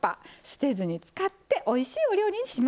捨てずに使っておいしいお料理にします。